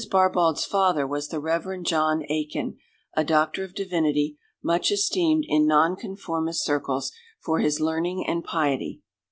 Barbauld's father was the Rev. John Aikin, a Doctor of Divinity, much esteemed in Nonconformist circles for his learning and piety.